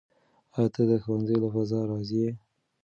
آیا ته د ښوونځي له فضا راضي یې؟